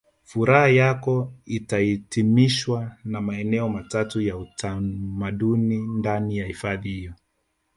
Furaha yako itahitimishwa na maeneo matatu ya utamaduni ndani ya hifadhi hiyo